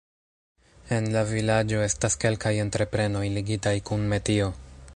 En la vilaĝo estas kelkaj entreprenoj ligitaj kun metio.